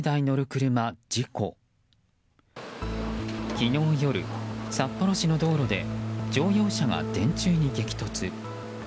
昨日夜、札幌市の道路で乗用車が電柱に激突。